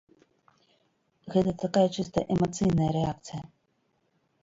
Гэта такая чыста эмацыйная рэакцыя.